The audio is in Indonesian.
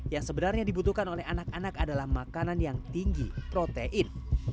yang sebenarnya dibutuhkan oleh anak anak adalah makanan yang tinggi protein